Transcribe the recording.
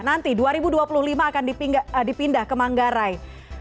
nanti dua ribu dua puluh lima akan dipindah ke manggarai